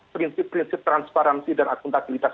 prinsip prinsip transparansi dan akuntabilitas